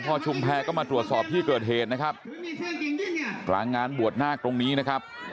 ชุมแพรก็มาตรวจสอบที่เกิดเหตุนะครับกลางงานบวชนาคตรงนี้นะครับ